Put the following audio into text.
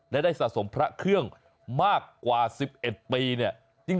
และได้สะสมพระเครื่องมากกว่า๑๑ปีเนี่ย